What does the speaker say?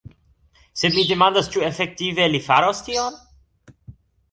Sed mi demandas ĉu efektive li faros tion?